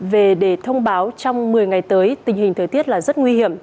về để thông báo trong một mươi ngày tới tình hình thời tiết là rất nguy hiểm